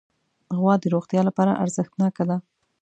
غوا د روغتیا لپاره ارزښتناکه ده.